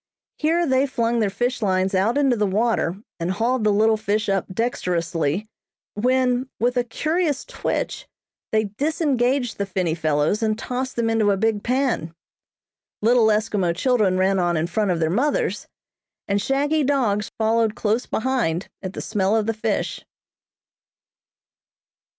Here they flung their fish lines out into the water and hauled the little fish up dexterously; when, with a curious twitch they disengaged the finny fellows and tossed them into a big pan. Little Eskimo children ran on in front of their mothers, and shaggy dogs followed close behind at the smell of the fish.